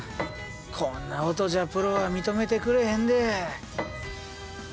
こんな音じゃプロは認めてくれへんで。